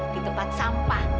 di tempat sampah